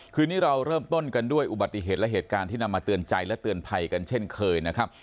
คืนนี้เราเริ่มต้นกันด้วยอุบัติเหตุและเหตุการณ์ที่นำมาเตือนใจและเตือนภัยกันเช่นเคยนะครับ